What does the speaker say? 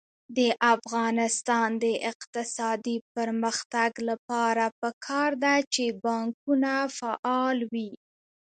د افغانستان د اقتصادي پرمختګ لپاره پکار ده چې بانکونه فعال وي.